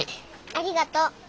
ありがとう。